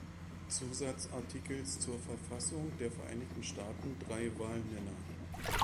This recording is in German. Zusatzartikels zur Verfassung der Vereinigten Staaten drei Wahlmänner.